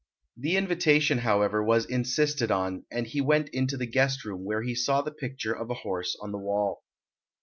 The invitation, however, was insisted on, and he went into the guest room, where he saw the picture of a horse on the wall.